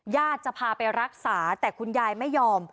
จะพาไปรักษาแต่คุณยายไม่ยอม